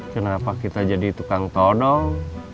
kenapa kita jadi tukang todong